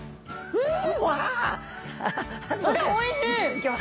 うん。